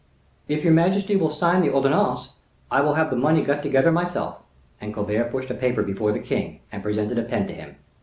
"If your majesty will sign the ordonnance I will have the money got together myself." And Colbert pushed a paper before the king, and presented a pen to him.